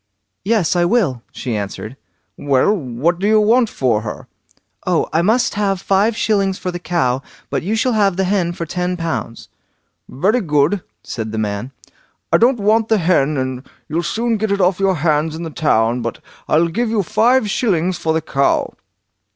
"Yes, that I will", she answered. "Well, what do you want for her?" "Oh! I must have five shillings for the cow, but you shall have the hen for ten pounds." "Very good!" said the man; "I don't want the hen, and you'll soon get it off your hands in the town, but I'll give you five shillings for the cow."